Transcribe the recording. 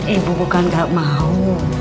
ibu bukan nggak mau